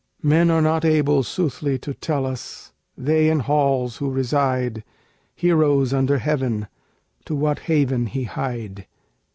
Men are not able Soothly to tell us, they in halls who reside, Heroes under heaven, to what haven he hied.